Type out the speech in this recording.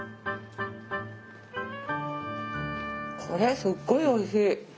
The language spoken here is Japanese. これすっごいおいしい。